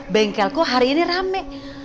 bengkelku hari ini rame